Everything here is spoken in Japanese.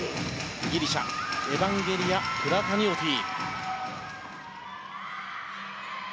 ギリシャエバンゲリア・プラタニオティ。